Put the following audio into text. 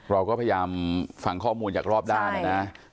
เราก็พยายามฟังข้อมูลจากรอบด้านนะนะ